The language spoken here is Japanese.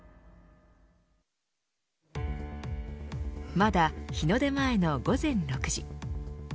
まだ日の出前の午前６時。